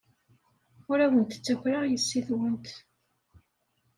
Ur awen-ttakreɣ yessi-twen.